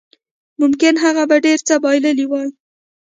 ممکن هغه به ډېر څه بایللي وای